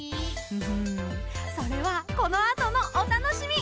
ふふんそれはこのあとのおたのしみ！